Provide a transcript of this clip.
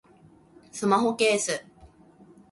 スマホケース